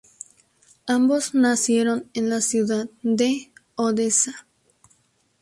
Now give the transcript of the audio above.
Ambos nacieron en la ciudad de Odessa.